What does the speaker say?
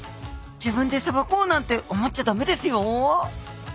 自分でさばこうなんて思っちゃダメですよ！